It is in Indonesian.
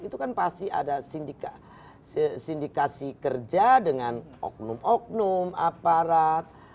itu kan pasti ada sindikasi kerja dengan oknum oknum aparat